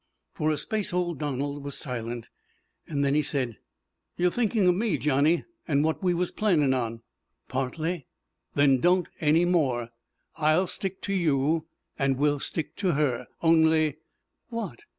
For a space old Donald was silent. Then he said, "You're thinkin' of me, Johnny, an' what we was planning on?" "Partly." "Then don't any more. I'll stick to you, an' we'll stick to her. Only " "What?"